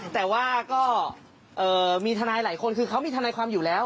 แต่ว่าก็มีทนายหลายคนคือเขามีทนายความอยู่แล้ว